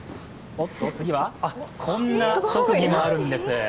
次は、こんな特技もあるんです。